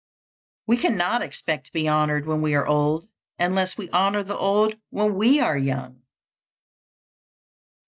We cannot expect to be honored when we are old, unless we honor the old when we are young.